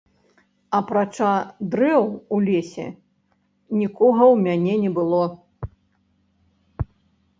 Апрача дрэў у лесе, нікога ў мяне не было.